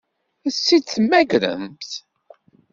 Ad tt-id-temmagremt?